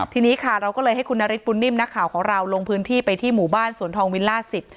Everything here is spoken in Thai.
ทีนี้ค่ะเราก็เลยให้คุณนฤทธบุญนิ่มนักข่าวของเราลงพื้นที่ไปที่หมู่บ้านสวนทองวิลล่าสิบ